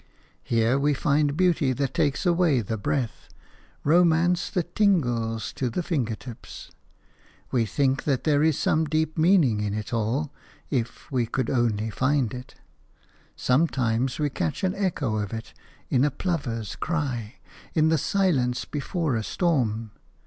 Here we find beauty that takes away the breath, romance that tingles to the finger tips. We think that there is some deep meaning in it all, if we could only find it; sometimes we catch an echo of it – in a plover's cry, in the silence before a storm.